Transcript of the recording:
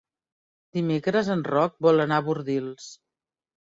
Dimecres en Roc vol anar a Bordils.